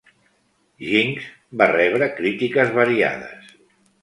"Jinx" va rebre crítiques variades.